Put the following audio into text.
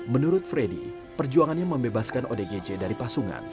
menurut freddy perjuangannya membebaskan odgj dari pasungan